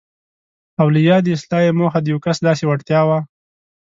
او له یادې اصطلاح یې موخه د یو کس داسې وړتیا وه.